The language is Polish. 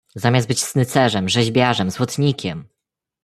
"zamiast być snycerzem, rzeźbiarzem, złotnikiem!"